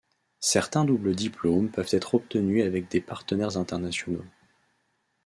Certains doubles diplômes peuvent être obtenus avec des partenaires internationaux.